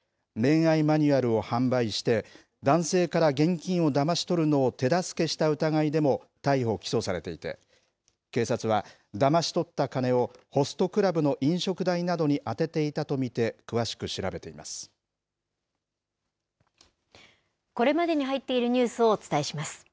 渡邊容疑者はこれまで、ＳＮＳ上で頂き女子を自称し、恋愛マニュアルを販売して、男性から現金をだまし取るのを手助けした疑いでも逮捕・起訴されていて、警察は、だまし取った金をホストクラブの飲食代などに充てていたと見て、これまでに入っているニュースをお伝えします。